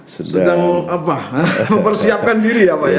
sedang mempersiapkan diri ya pak ya